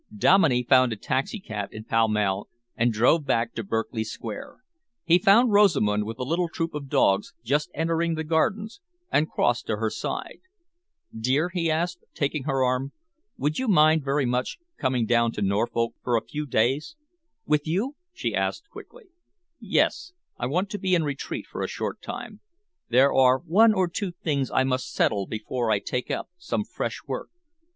Dominey found a taxicab in Pall Mall and drove back to Berkeley Square. He found Rosamund with a little troop of dogs, just entering the gardens, and crossed to her side. "Dear," he asked, taking her arm, "would you mind very much coming down to Norfolk for a few days?" "With you?" she asked quickly. "Yes! I want to be in retreat for a short time. There are one or two things I must settle before I take up some fresh work."